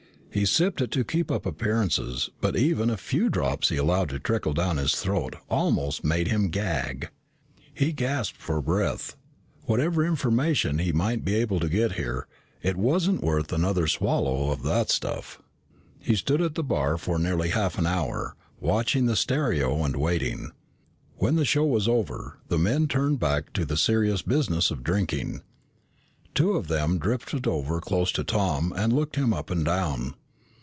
He sipped it to keep up appearances but even the few drops he allowed to trickle down his throat almost made him gag. He gasped for breath. Whatever information he might be able to get here, it wasn't worth another swallow of that stuff. He stood at the bar for nearly half an hour, watching the stereo and waiting. When the show was over, the men turned back to the serious business of drinking. Two of them drifted over close to Tom and looked him up and down.